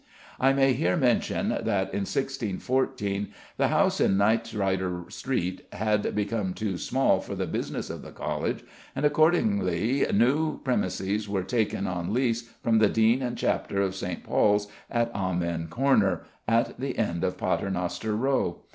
I may here mention that in 1614 the house in Knightrider Street had become too small for the business of the College, and accordingly new premises were taken on lease from the Dean and Chapter of St. Paul's at Amen Corner, at the end of Paternoster Row.